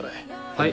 はい。